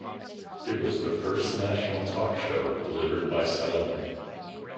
It was the first national talk show delivered by satellite.